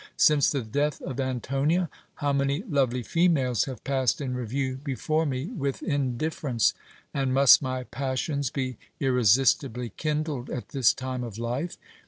Since the death of Antonia, how many lovely females have passed in review before me with indifference : and must my passions be irresistibly kindled at this time of life